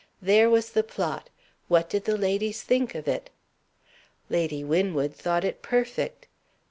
There was the plot. What did the ladies think of it? Lady Winwood thought it perfect.